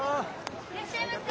いらっしゃいませ！